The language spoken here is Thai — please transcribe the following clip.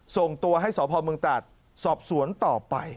ส่งตัวให้สพเมืองตาดสอบสวนต่อไป